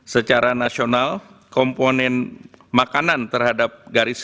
secara nasional komponen makanan terhadap garis